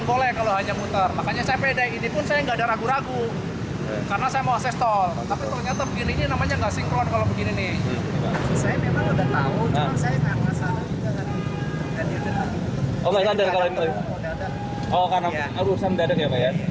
oh karena urusan dadeg ya pak ya